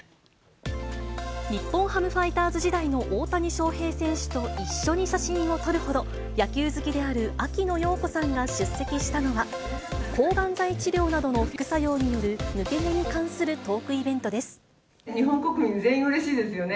日本ハムファイターズ時代の大谷翔平選手と一緒に写真を撮るほど、野球好きである秋野暢子さんが出席したのは、抗がん剤治療などの副作用による抜け毛に関するトークイベントで日本国民、全員うれしいですよね。